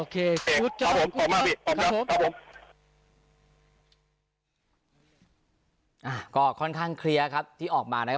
ก็ค่อนข้างเคลียร์ครับที่ออกมานะครับ